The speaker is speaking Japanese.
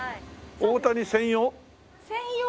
大谷専用？